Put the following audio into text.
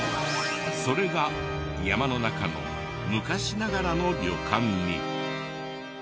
それが山の中の昔ながらの旅館に。